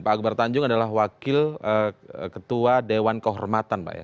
pak akbar tanjung adalah wakil ketua dewan kehormatan pak ya